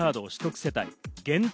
世帯限定